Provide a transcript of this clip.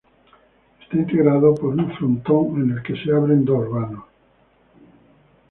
Está integrada por un frontón, en el que se abren dos vanos.